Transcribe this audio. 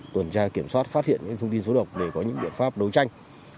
tuần tra kiểm soát phát hiện những thông tin xấu động để có những biện pháp đấu tranh